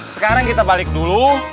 sekarang kita balik dulu